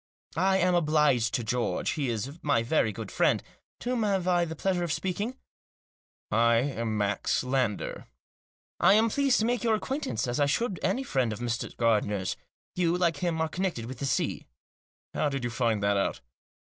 " I am obliged to George ; he is my very good friend . To whom have I the pleasure of speaking ?"" I'm Max Lander." "I am pleased to make your acquaintance, as I should any friend of Mr. Gardiner's. You, like him, are connected with the sea." "How did you find that out?